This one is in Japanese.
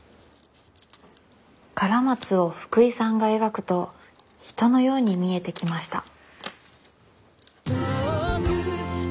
カラマツを福井さんが描くと人のように見えてきました。